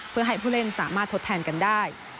เพื่อให้ผู้เล่นสามารถทดแทนกันได้